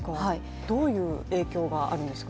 どういう影響があるんですか？